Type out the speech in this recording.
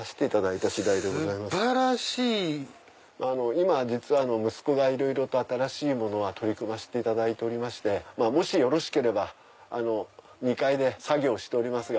今息子が新しいものは取り組ませていただいてましてもしよろしければ２階で作業しておりますが。